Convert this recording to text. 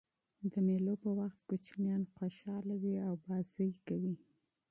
د مېلو په وخت کوچنيان خوشحاله يي او بازۍ کوي.